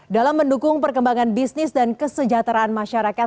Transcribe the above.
dalam mendukung perkembangan bisnis dan kesejahteraan masyarakat